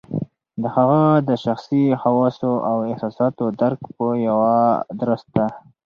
د هغه د شخصي خواصو او احساساتو درک په یوه درسته